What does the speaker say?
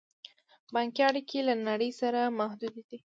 بانکي اړیکې یې له نړۍ سره محدودې دي.